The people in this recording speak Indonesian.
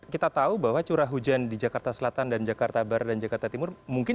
kita tahu bahwa curah hujan di jakarta selatan dan jakarta barat dan jakarta timur mungkin